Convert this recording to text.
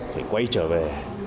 phải quay trở về